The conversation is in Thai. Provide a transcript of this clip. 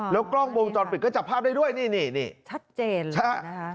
แล้วกล้องวงจรปิดก็จับภาพได้ด้วยนี่นี่ชัดเจนเลยใช่นะคะ